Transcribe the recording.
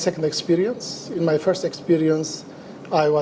pernahkah pengalaman pertama saya